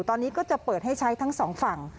ตอนนี้ก็จะเปิดให้ใช้ทั้งสองฝั่ง